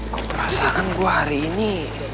kok perasaan gue hari ini